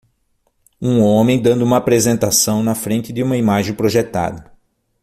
Um homem dando uma apresentação na frente de uma imagem projetada